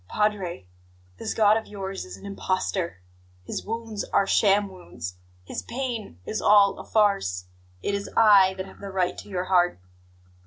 "Padre, this God of yours is an impostor, His wounds are sham wounds, His pain is all a farce! It is I that have the right to your heart!